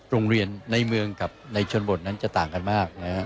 โรงเรียนในเมืองกับในชนบทนั้นจะต่างกันมากนะครับ